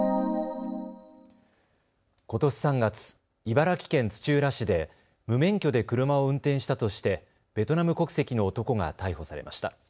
ことし３月、茨城県土浦市で無免許で車を運転したとしてベトナム国籍の男が逮捕されました。